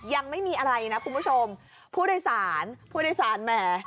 ยังไม่มีอะไรนะคุณผู้ชมผู้โดยสารผู้โดยสารแหม